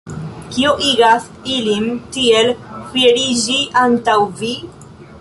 Kio igas ilin tiel fieriĝi antaŭ vi?